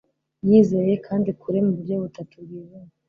yizeye, kandi, kure, muburyo butatu bwijimye